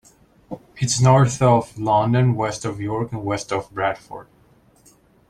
It is north of London, west of York and west of Bradford.